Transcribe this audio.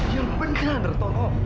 yang benar taro